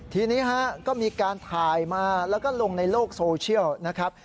ทีนี้ฮะก็มีการถ่ายมาแล้วก็ลงในโลกโซเชียลนะครับ